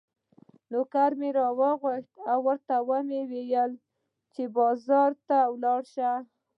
نوکر مې راوغوښت او ورته مې وویل چې بازار ته دې ولاړ شي.